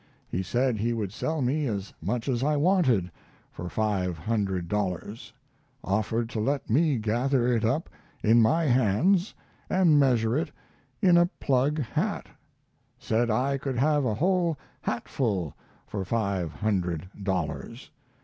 He said he would sell me as much as I wanted for five hundred dollars; offered to let me gather it up in my hands and measure it in a plug hat; said I could have a whole hatful for five hundred dollars.